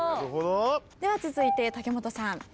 では続いて武元さん。